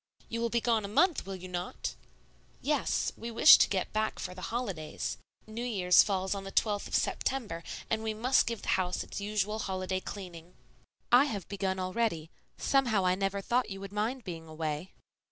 "You will be gone a month, will you not?" "Yes; we wish to get back for the holidays. New Year's falls on the 12th of September, and we must give the house its usual holiday cleaning." "I have begun already. Somehow I never thought you would mind being away."